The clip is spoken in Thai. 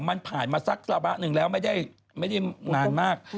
รักสามารถหนึ่งแล้วไม่ได้นานมาก